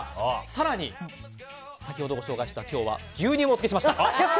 更に、先ほどご紹介した今日は牛乳もおつけしました！